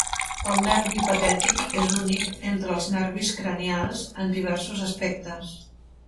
El nervi patètic és únic entre els nervis cranials en diversos aspectes.